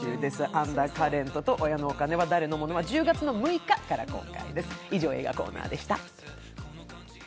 「アンダーカレント」と「親のお金は誰のもの」は１０月６日から公開です。